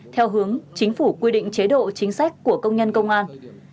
theo hướng chính phủ quy định chế độ chính sách của công nhân công an